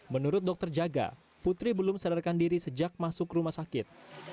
menurut dokter jaga putri belum sadarkan diri sejak masuk rumah sakit